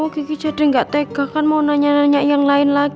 gigi jadi nggak tega kan mau nanya nanya yang lain lagi